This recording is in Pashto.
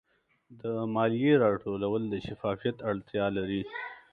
د مالیې راټولول د شفافیت اړتیا لري.